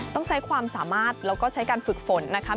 ต้องใช้ความสามารถแล้วก็ใช้การฝึกฝนนะคะ